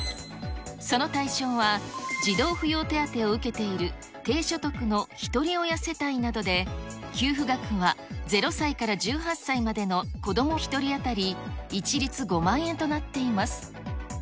その対象は、児童扶養手当を受けている低所得のひとり親世帯などで、給付額は０歳から１８歳までの子ども１人当たり一律５万円となっています。